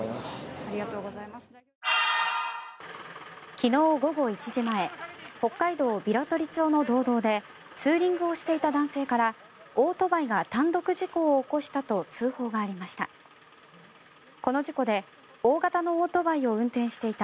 昨日午後１時前北海道平取町の道道でツーリングをしていた男性からオートバイが単独事故を起こしたと通報がありました。